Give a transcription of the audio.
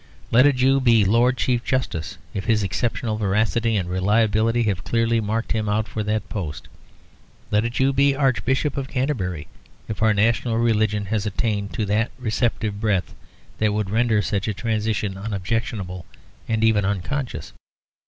Let a Jew be Lord Chief justice, if his exceptional veracity and reliability have clearly marked him out for that post. Let a Jew be Archbishop of Canterbury, if our national religion has attained to that receptive breadth that would render such a transition unobjectionable and even unconscious.